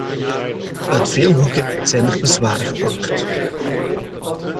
Uit veel hoeken zijn er bezwaren geopperd.